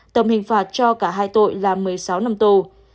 tầm hình phạt cho cả hai tội là một mươi sáu năm tù